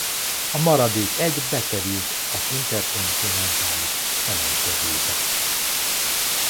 A maradék egy bekerült az interkontinentális selejtezőbe.